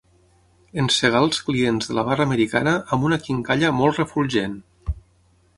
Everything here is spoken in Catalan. Encegar els clients de la barra americana amb una quincalla molt refulgent.